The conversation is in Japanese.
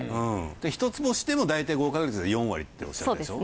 一つ星でも大体合格率が４割っておっしゃったでしょ。